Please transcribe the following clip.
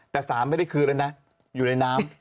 แต่สารไม่ได้คืนแล้วนะอยู่ในน้ำ